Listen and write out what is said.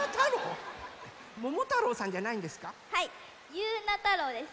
ゆうなたろうです！